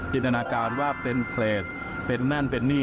จินดานาการว่าเป็นเกษเป็นมันเป็นหนี้